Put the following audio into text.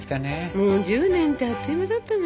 もう１０年ってあっという間だったね。